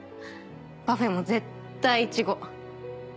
パフェも絶対イチゴ。